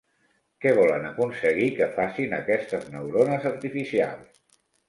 Què volen aconseguir que facin aquestes neurones artificials?